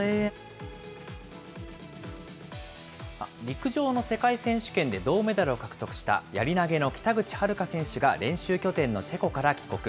陸上の世界選手権で銅メダルを獲得した、やり投げの北口榛花選手が練習拠点のチェコから帰国。